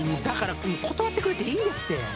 だから断ってくれていいんですって！